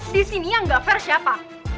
di sini yang nggak fair siapa